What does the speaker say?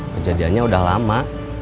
kejadiannya udah lama